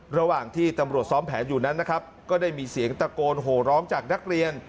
ระหว่างที่ตำรวจซ้อมแผนอยู่นั้นนะครับก็ได้มีเสียงตะโกนโหร้องจากนักเรียน